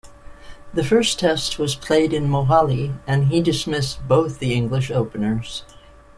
The first Test was played in Mohali, and he dismissed both the English openers.